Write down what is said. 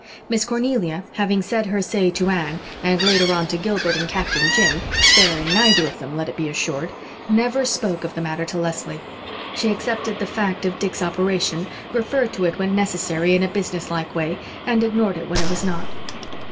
Miss Cornelia, having said her say to Anne, and later on to Gilbert and Captain Jim sparing neither of them, let it be assured never spoke of the matter to Leslie. She accepted the fact of Dick's operation, referred to it when necessary in a business like way, and ignored it when it was not.